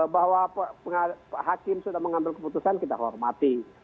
bahwa hakim sudah mengambil keputusan kita hormati